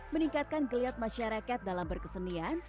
meningkatkan geliat masyarakat dalam berkesenian